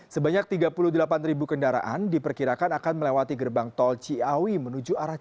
sebanyak tiga puluh delapan ribu kendaraan diperkirakan akan berjalan